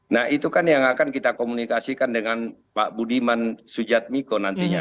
nah itu kan yang akan kita komunikasikan dengan pak budiman sujatmiko nantinya